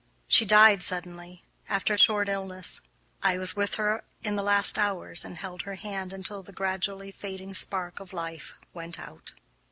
She died suddenly, after a short illness. I was with her in the last hours and held her hand until the gradually fading spark of life went out.